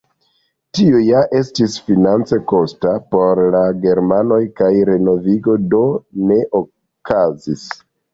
Tio ja estis finance kosta por la germanoj kaj renovigo do ne okazis.